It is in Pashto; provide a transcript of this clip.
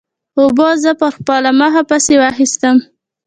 اوبو زه پر خپله مخه پسې واخیستم.